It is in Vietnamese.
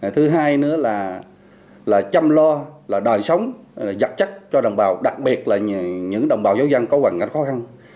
thứ hai nữa là chăm lo là đòi sống giặt chắc cho đồng bào đặc biệt là những đồng bào giáo dân có hoàn ngặt khó khăn